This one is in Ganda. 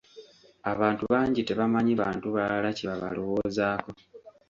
Abantu bangi tebamanyi bantu balala kye babalowoozaako.